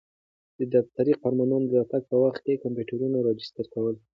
د دفتري کارمندانو د راتګ په وخت کي د کمپیوټرونو راجستر کول.